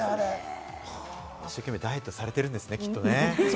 一生懸命ダイエットされてるんですね、きっとね。